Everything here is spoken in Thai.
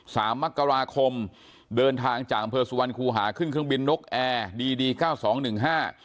สามมกราคมเดินทางจากอำเภอสุวรรณคูหาขึ้นเครื่องบินนกแอร์ดีดีเก้าสองหนึ่งห้า